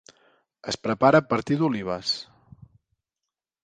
Es prepara a partir d'olives.